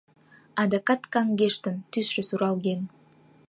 Адакат каҥгештын, тӱсшӧ суралген.